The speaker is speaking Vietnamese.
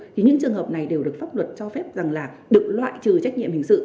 thì những trường hợp này đều được pháp luật cho phép được loại trừ trách nhiệm hình sự